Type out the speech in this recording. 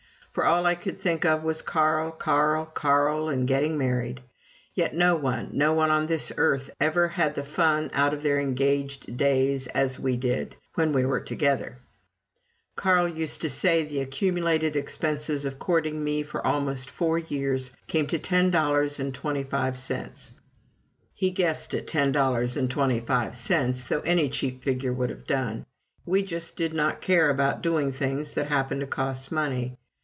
For all I could think of was Carl, Carl, Carl, and getting married. Yet no one no one on this earth ever had the fun out of their engaged days that we did, when we were together. Carl used to say that the accumulated expenses of courting me for almost four years came to $10.25. He just guessed at $10.25, though any cheap figure would have done. We just did not care about doing things that happened to cost money.